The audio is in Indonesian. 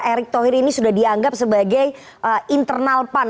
erick thohir ini sudah dianggap sebagai internal pan